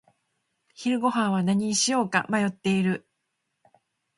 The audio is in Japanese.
昼ごはんは何にしようか迷っている。